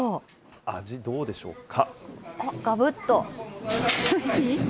味どうでしょうか？